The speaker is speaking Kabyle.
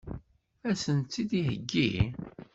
Ad sen-tt-id-iheggi?